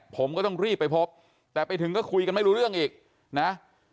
ผมก็ต้องรีบไปพบแต่ไปถึงก็คุยกันไม่รู้เรื่องอีกนะ